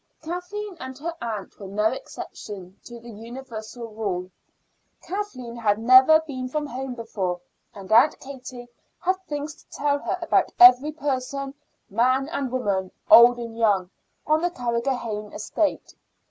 Kathleen and her aunt were no exception to the universal rule. Kathleen had never been from home before, and Aunt Katie had things to tell her about every person, man and woman, old and young, on the Carrigrohane estate.